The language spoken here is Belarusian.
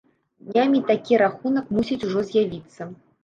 Днямі такі рахунак мусіць ужо з'явіцца.